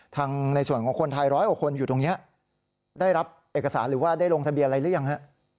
ในส่วนของคนไทยร้อยกว่าคนอยู่ตรงนี้ได้รับเอกสารหรือว่าได้ลงทะเบียนอะไรหรือยังฮะ